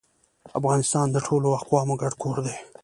افغانستان د ټولو اقوامو ګډ کور دی